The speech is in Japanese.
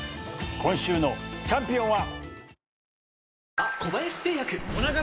今週のチャンピオンは。